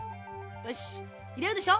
よしっいれるでしょ。